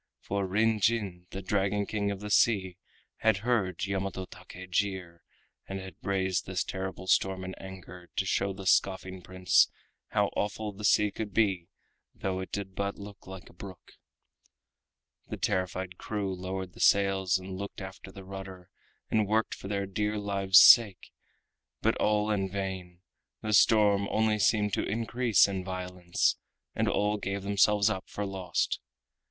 For Kin Jin, the Dragon King of the Sea, had heard Yamato Take jeer, and had raised this terrible storm in anger, to show the scoffing Prince how awful the sea could be though it did but look like a brook. The terrified crew lowered the sails and looked after the rudder, and worked for their dear lives' sake, but all in vain—the storm only seemed to increase in violence, and all gave themselves up for lost.